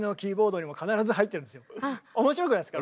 面白くないですか？